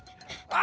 あ！